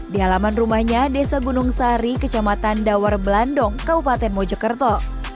di halaman rumahnya desa gunung sari kecamatan dawar belandong kabupaten mojokerto